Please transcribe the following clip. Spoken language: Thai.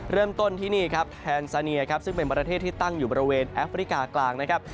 เริ่มต้นที่นี่ครับแทนซาเนียครับซึ่งเป็นประเทศที่ตั้งอยู่บริเวณแอฟริกากลางนะครับ